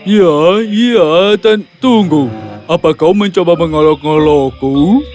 ya iya dan tunggu apa kau mencoba mengolok ngolokku